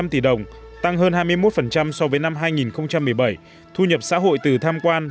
một mươi tỷ đồng tăng hơn hai mươi một so với năm hai nghìn một mươi bảy thu nhập xã hội từ tham quan